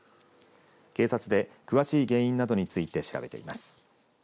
警察で詳しい原因などについて調べています。